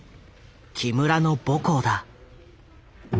木村の母校だ。